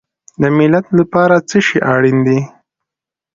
د ملت لپاره څه شی اړین دی؟